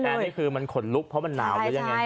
ที่ปิดแอร์ที่คือมันขนลุกเพราะมันหนาวหรือยังไง